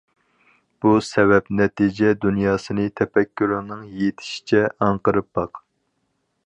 بۇ سەۋەب- نەتىجە دۇنياسىنى تەپەككۇرۇڭنىڭ يېتىشىچە ئاڭقىرىپ باق.